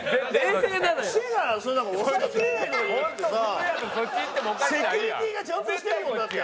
セキュリティーがちゃんとしてるもんだって。